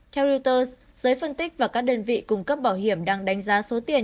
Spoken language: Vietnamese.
theo reuters giới phân tích và các đơn vị cung cấp bảo hiểm đang đánh giá số tiền